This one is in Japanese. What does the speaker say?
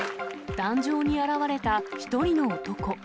壇上に現れた１人の男。